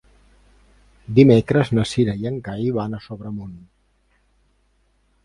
Dimecres na Cira i en Cai van a Sobremunt.